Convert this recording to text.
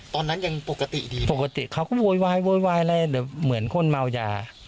ตอนนั้นยังปกติดีปกติเขาก็โวยวายแหละเหมือนคนเมายา